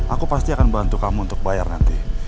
aku pasti akan bantu kamu untuk bayar nanti